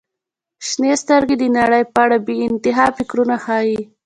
• شنې سترګې د نړۍ په اړه بې انتها فکرونه ښیي.